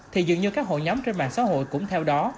thì dường như các hội nhóm trên mạng xã hội cũng theo đó